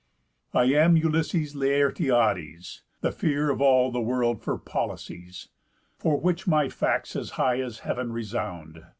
I am Ulysses Laertiades, The fear of all the world for policies, For which my facts as high as heav'n resound.